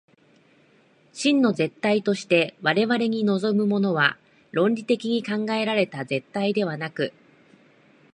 真の絶対として我々に臨むものは、論理的に考えられた絶対ではなく、